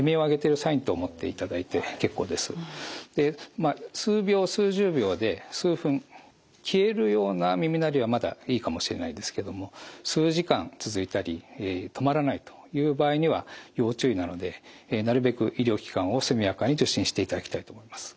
まあ数秒数十秒で数分消えるような耳鳴りはまだいいかもしれないんですけども数時間続いたり止まらないという場合には要注意なのでなるべく医療機関を速やかに受診していただきたいと思います。